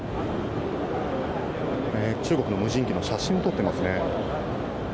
中国の無人機の写真を撮ってますね。